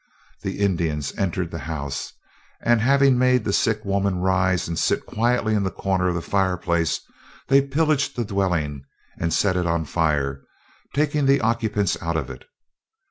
The Indians entered the house, and, having made the sick woman rise and sit quietly in the corner of the fire place, they pillaged the dwelling, and set it on fire, taking the occupants out of it.